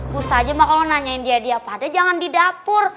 bustadzha mah kalau nanyain dia dia apa ada jangan di dapur